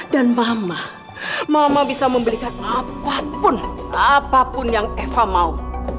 dan mama mama bisa memberikan apapun apapun yang eva mau